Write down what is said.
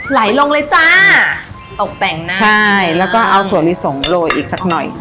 ไหลลงเลยจ้าตกแต่งนะใช่แล้วก็เอาถั่วนิสงโรยอีกสักหน่อย